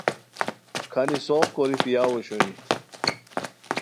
کھانیسوغ کوری پیاؤ اوشوئے